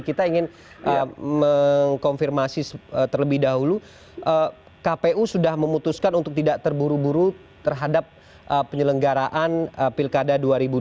kita ingin mengkonfirmasi terlebih dahulu kpu sudah memutuskan untuk tidak terburu buru terhadap penyelenggaraan pilkada dua ribu dua puluh